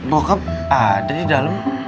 bokap ada di dalam